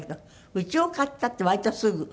家を買ったって割とすぐ？